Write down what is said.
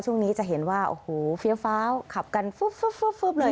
ช่วงนี้จะเห็นว่าเฟี้ยวขับกันฟึบเลย